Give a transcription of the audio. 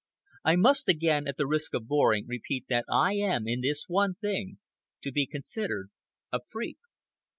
I must again, at the risk of boring, repeat that I am, in this one thing, to be considered a freak.